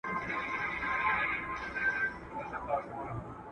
زه به اوږده موده کتابتون ته تللي وم؟